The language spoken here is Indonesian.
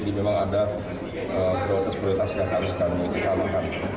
jadi memang ada prioritas prioritas yang harus kami kitarakan